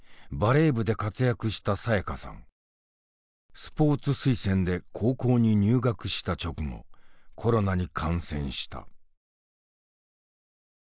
スポーツ推薦で高校に入学した直後コロナに感染した。